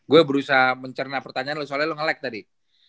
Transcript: gue berusaha mencerna pertanyaan lo soalnya lo nge like tadi